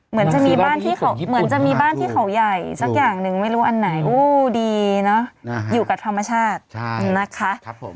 เหมือนจะมีบ้านที่เขาใหญ่สักอย่างนึงไม่รู้อันไหนอูดีเนาะอยู่กับธรรมชาตินะคะ